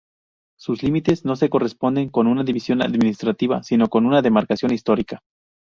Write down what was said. Sus límites no se corresponden con una división administrativa, sino con una demarcación histórica.